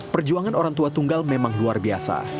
perjuangan orang tua tunggal memang luar biasa